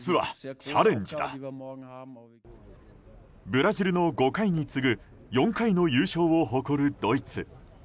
ブラジルの５回に次ぐ４回の優勝を誇るドイツ。